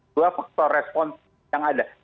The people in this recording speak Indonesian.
dua faktor respons yang ada